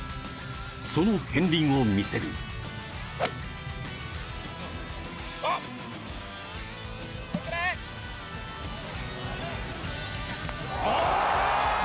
その片りんを見せるゴー！